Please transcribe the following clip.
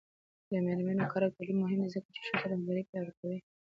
د میرمنو کار او تعلیم مهم دی ځکه چې ښځو رهبري پیاوړې کوي.